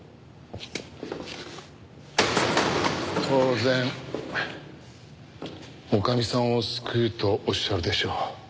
当然女将さんを救うとおっしゃるでしょう。